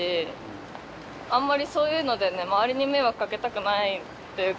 あんまりそういうので周りに迷惑かけたくないっていうか。